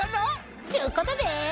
ちゅうことで！